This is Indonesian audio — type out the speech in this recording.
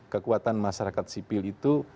kekuatan masyarakat sipil itu